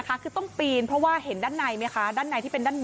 คือต้องปีนเพราะว่าเห็นด้านในไหมคะด้านในที่เป็นด้านบน